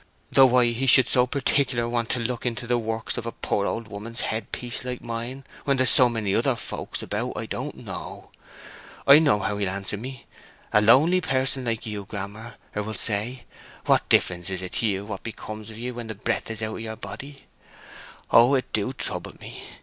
Though why he should so particular want to look into the works of a poor old woman's head piece like mine when there's so many other folks about, I don't know. I know how he'll answer me: 'A lonely person like you, Grammer,' er woll say. 'What difference is it to you what becomes of ye when the breath's out of your body?' Oh, it do trouble me!